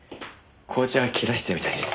紅茶切らしてるみたいです。